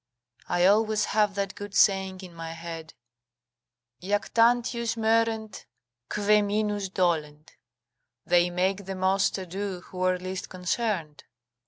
I always have that good saying m my head: "Jactantius moerent, quae minus dolent." ["They make the most ado who are least concerned."